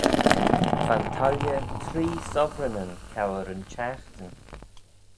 Va'n tailley tree sovereignyn cour yn çhiaghtin.